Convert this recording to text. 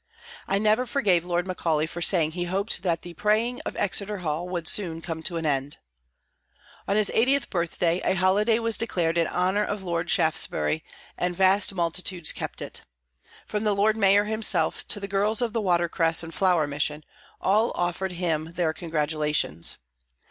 I never forgave Lord Macaulay for saying he hoped that the "praying of Exeter Hall would soon come to an end." On his 80th birthday, a holiday was declared in honour of Lord Shaftesbury, and vast multitudes kept it. From the Lord Mayor himself to the girls of the Water Cress and Flower Mission, all offered him their congratulations.